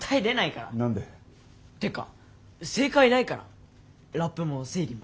何で？ってか正解ないからラップも生理も。